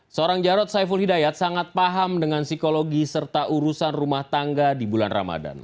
seorang jarod saiful hidayat sangat paham dengan psikologi serta urusan rumah tangga di bulan ramadan